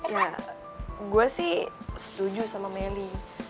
ya gue sih setuju sama meli